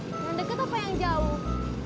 yang deket apa yang jauh